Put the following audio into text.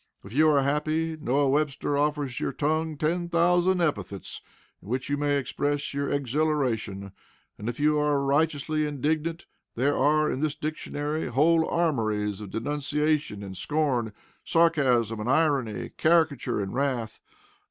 If you are happy, Noah Webster offers to your tongue ten thousand epithets in which you may express your exhilaration; and if you are righteously indignant, there are in his dictionary whole armories of denunciation and scorn, sarcasm and irony, caricature and wrath.